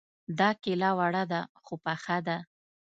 دا کيله وړه ده خو پخه ده